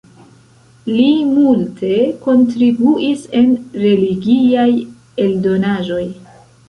Li multe kontribuis en religiaj eldonaĵoj.